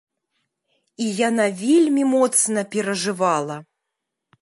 І яна вельмі моцна перажывала.